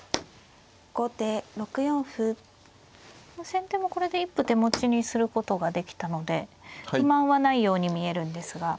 先手もこれで一歩手持ちにすることができたので不満はないように見えるんですが。